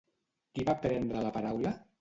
Qui va prendre la paraula?